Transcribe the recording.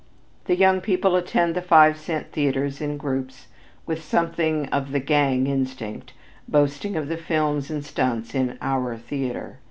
The young people attend the five cent theaters in groups, with something of the "gang" instinct, boasting of the films and stunts in "our theater."